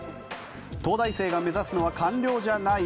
東大生が目指すのは官僚じゃない？